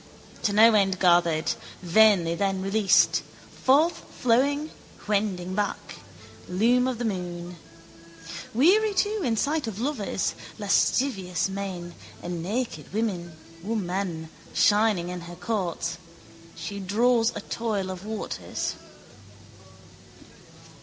To no end gathered; vainly then released, forthflowing, wending back: loom of the moon. Weary too in sight of lovers, lascivious men, a naked woman shining in her courts, she draws a toil of waters.